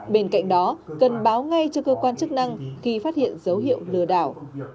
bên cạnh đó cần báo ngay cho cơ quan chức năng khi phát hiện dấu hiệu lừa đảo